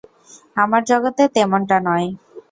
আমার জগতে তেমনটা নয়।